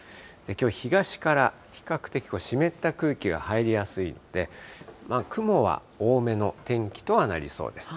きょう、東から比較的湿った空気が入りやすいので、雲は多めの天気とはなりそうです。